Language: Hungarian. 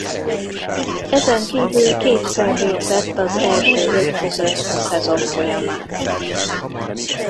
Ezenkívül kétszer végzett az első öt között a szezon folyamán.